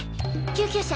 救急車！